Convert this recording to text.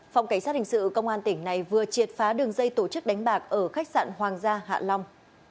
phòng cảnh sát hình sự công an tỉnh này vừa triệt phá đường dây tổ chức đánh bạc ở khách sạn hoàng gia hạ long